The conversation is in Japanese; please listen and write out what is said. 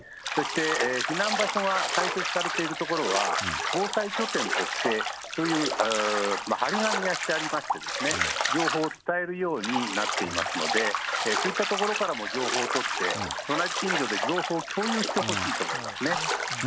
そして避難場所が開設されている所は、防災拠点として、そういう貼り紙がしてありまして、情報を伝えるようになっていますので、そういったところからも情報を取って、隣近所で情報を共有してほしいと思いますね。